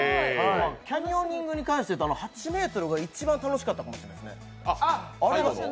キャニオニングに関して言うと８ｍが一番楽しかったかもしれないですね。